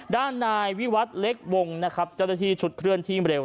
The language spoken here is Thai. ด้านนายวิวัตรเล็กวงนะครับเจ้าหน้าที่ชุดเคลื่อนที่เร็ว